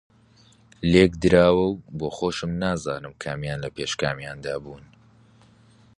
لێکدراوە و بۆخۆشم نازانم کامیان لەپێش کامیاندا بوون